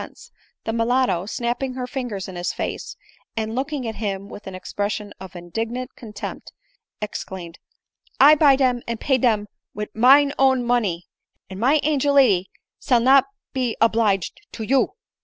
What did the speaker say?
ense — the mulatto, snapping her fingers in his face, and ooking at him with an expression of indignant contempt, exclaimed, " I buy dern, and pay for dem wid mine nown money ; and my angel lady sail no be oblige to you